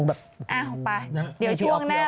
น่ารักน่ารักอ้าวไปเดี๋ยวช่วงแหละ